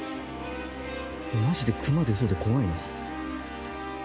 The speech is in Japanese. マジでクマ出そうで怖いな。